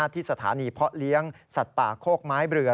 ที่สถานีเพาะเลี้ยงสัตว์ป่าโคกไม้เรือ